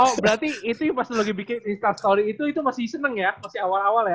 oh berarti itu yang pas lu lagi bikin di klas story itu masih seneng ya masih awal awal ya